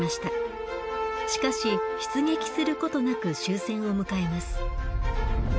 しかし出撃することなく終戦を迎えます。